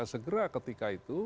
segera ketika itu